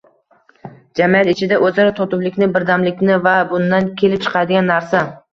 Jamiyat ichida o‘zaro totuvlikni, birdamlikni va bundan kelib chiqadigan narsa